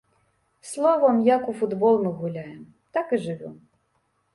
Словам, як у футбол мы гуляем, так і жывём.